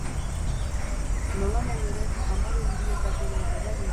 Nolanahi ere, amaren dietak ere eragina du ama-esnearen osaketa kimikoan.